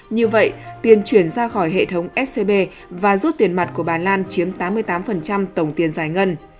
như vậy tiền chuyển ra khỏi hệ thống scb và rút tiền mặt của bà lan chiếm tám mươi tám tổng tiền giải ngân